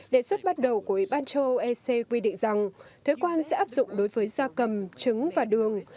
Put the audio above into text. đệ xuất bắt đầu của ban châu âu ec quy định rằng thuế quan sẽ áp dụng đối với gia cầm trứng và đường